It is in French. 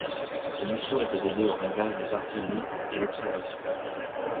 Ses missions étaient d’aider aux réglages des artilleries et l'observation.